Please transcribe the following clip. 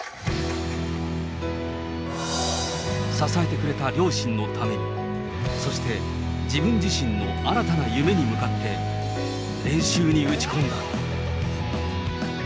支えてくれた両親のため、そして自分自身の新たな夢に向かって練習に打ち込んだ。